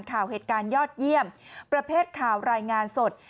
ข่าวเหตุการณ์ยอดเยี่ยมประเภทข่าวรายงานสด